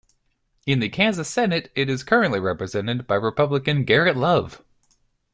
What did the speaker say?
In the Kansas Senate it is currently represented by Republican Garrett Love.